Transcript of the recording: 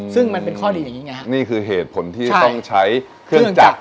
ซึ่งมันเป็นข้อดีอย่างนี้ไงฮะนี่คือเหตุผลที่ต้องใช้เครื่องจักร